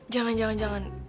jangan jangan jangan